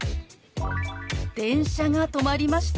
「電車が止まりました」。